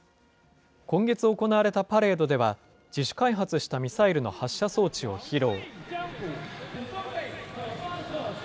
今月行われたパレードでは、自主開発したミサイルの発射装置を披露。